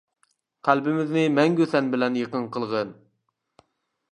قەلبىمىزنى مەڭگۈ سەن بىلەن يېقىن قىلغىن!